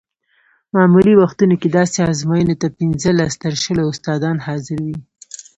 معمولي وختونو کې داسې ازموینو ته پنځلس تر شلو استادان حاضر وي.